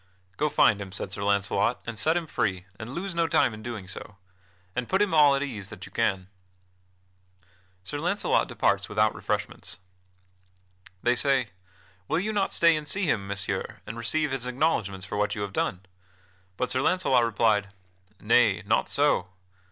"Go find him," said Sir Launcelot, "and set him free, and lose no time in doing so. And put him at all ease that you can." [Sidenote: Sir Launcelot departs without refreshment] They say: "Will you not stay and see him, Messire, and receive his acknowledgements for what you have done?" But Sir Launcelot replied: "Nay, not so."